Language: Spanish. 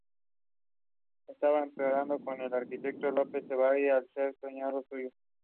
Estaba emparentado con el arquitecto López Salaberry, al ser cuñado suyo.